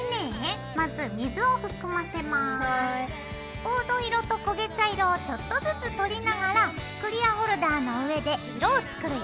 黄土色と焦げ茶色をちょっとずつ取りながらクリアホルダーの上で色を作るよ。